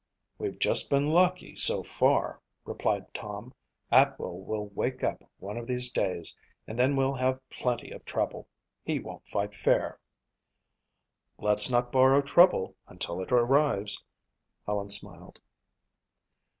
"We've just been lucky so far," replied Tom. "Atwell will wake up one of these days and then we'll have plenty of trouble. He won't fight fair." "Let's not borrow trouble until it arrives," Helen smiled.